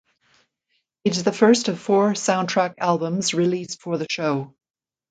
It is the first of four soundtrack albums released for the show.